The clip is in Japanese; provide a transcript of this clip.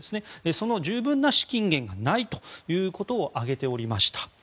その十分な資金源がないということを挙げていました。